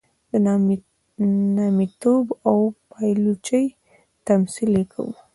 د نامیتوب او پایلوچۍ تمثیل یې کاوه.